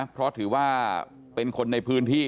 เพราะถือว่าเป็นคนในพื้นที่